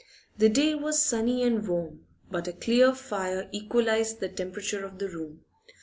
The day was sunny and warm, but a clear fire equalised the temperature of the room.